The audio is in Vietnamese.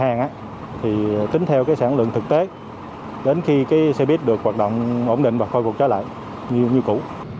cái thứ ba nữa là cái danh thu đặt hàng thì tính theo cái sản lượng thực tế đến khi cái xe buýt được hoạt động ổn định và khôi phục trở lại như cũ